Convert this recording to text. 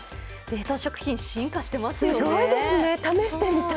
冷凍食品進化してますよね。